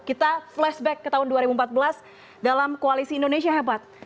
kita flashback ke tahun dua ribu empat belas dalam koalisi indonesia hebat